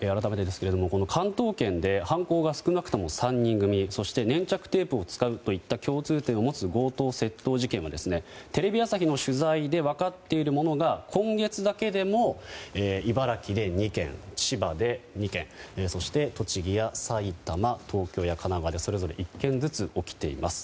関東圏で犯行が３人組そして粘着テープを使うといった共通点を持つ強盗・窃盗事件がテレビ朝日の取材で分かっているものが今月だけでも茨城で２件、千葉で２件そして、栃木や埼玉東京や神奈川でそれぞれ１件ずつ起きています。